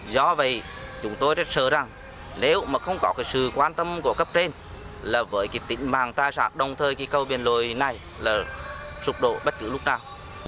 do vậy chúng tôi rất sợ rằng nếu mà không có sự quan tâm của cấp trên là với tịnh bằng tài sản đồng thời cầu biển lồi này là sụp đổ bất cứ lúc nào